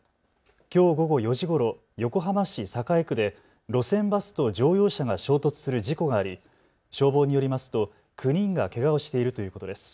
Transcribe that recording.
きょう午後４時ごろ、横浜市栄区で路線バスと乗用車が衝突する事故があり消防によりますと９人がけがをしているということです。